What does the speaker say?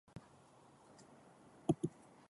Què més ha publicat, però?